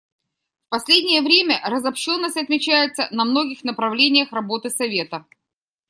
В последнее время разобщенность отмечается на многих направлениях работы Совета.